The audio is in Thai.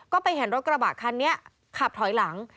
ก็ไปเห็นรถกระบะคันนี้ขับถอยหลัง